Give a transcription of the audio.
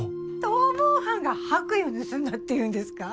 逃亡犯が白衣を盗んだっていうんですか？